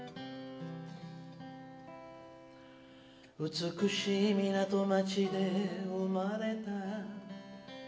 「美しい港町で生まれた」